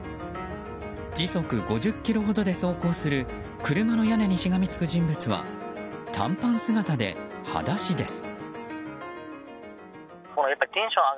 時速５０キロほどで走行する車の屋根にしがみつく人物は短パン姿で裸足です。